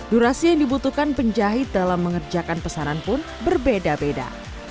durasi yang dibutuhkan penjahit dalam mengerjakan pesanan pun berbeda beda